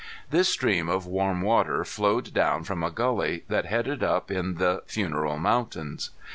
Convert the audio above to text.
This stream of warm water flowed down from a gully that headed up in the Funeral Mountains.